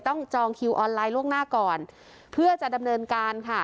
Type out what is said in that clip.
จองคิวออนไลน์ล่วงหน้าก่อนเพื่อจะดำเนินการค่ะ